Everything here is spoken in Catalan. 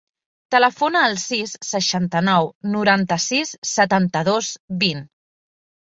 Telefona al sis, seixanta-nou, noranta-sis, setanta-dos, vint.